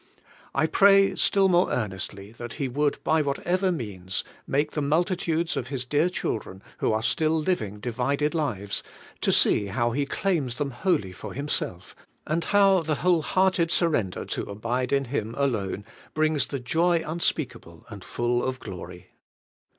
I pray still more earnestly that He would, by whatever means, make the multitudes of His dear children who are still living divided lives, to see how He claims them wholly for Himself, and how the whole hearted surrender to abide in Him alone brings the joy unspeakable and full of glory.